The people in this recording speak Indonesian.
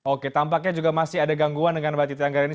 oke tampaknya juga masih ada gangguan dengan mbak titi anggreni